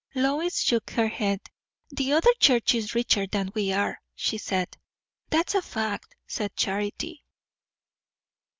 Lois shook her head. "The other church is richer than we are," she said. "That's a fact," said Charity.